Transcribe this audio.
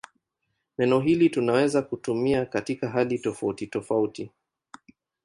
Neno hili tunaweza kutumia katika hali tofautitofauti.